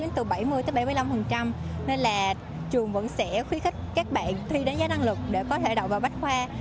từ bảy mươi bảy mươi năm nên là trường vẫn sẽ khuyến khích các bạn thi đánh giá năng lực để có thể đậu vào bách khoa